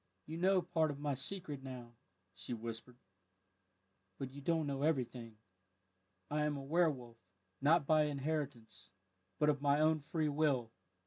"You know part of my secret now," she whispered, "but you don't know everything. I am a werwolf, not by inheritance, but of my own free will.